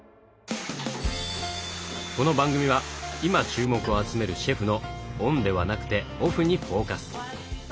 この番組は今注目を集めるシェフのオンではなくてオフにフォーカス。